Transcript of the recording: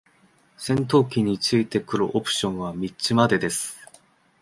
戦闘機に付いてくるオプションは三つまでです。